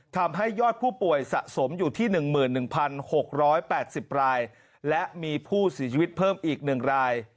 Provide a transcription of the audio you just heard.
ทำให้ยอดผู้ป่วยสะสมอยู่ที่๑๑๖๘๐รายและมีผู้เสียชีวิตเพิ่มอีก๑ราย